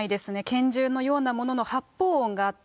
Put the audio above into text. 拳銃のようなものの発砲音があった。